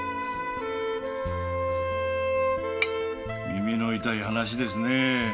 耳の痛い話ですねぇ。